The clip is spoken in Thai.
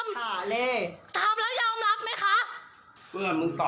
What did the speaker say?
เลขทำแล้วยอมรับไหมคะ